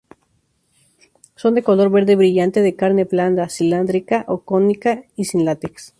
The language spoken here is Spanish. Son de color verde brillante, de carne blanda, cilíndrica a cónica y sin látex.